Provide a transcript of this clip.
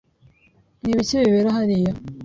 Ni ibiki bibera hariya?